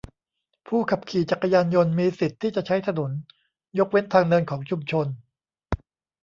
ผู้ขับขี่จักรยานยนต์มีสิทธิ์ที่จะใช้ถนนยกเว้นทางเดินของชุมชน